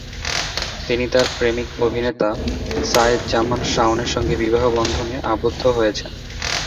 তিনি তার প্রেমিক অভিনেতা সায়েদ জামান শাওন-এর সঙ্গে বিবাহ বন্ধনে আবদ্ধ হয়েছেন।